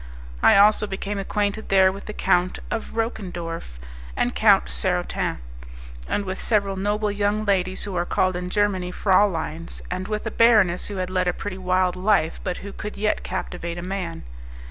I also became acquainted there with the Count of Roquendorf and Count Sarotin, and with several noble young ladies who are called in Germany frauleins, and with a baroness who had led a pretty wild life, but who could yet captivate a man.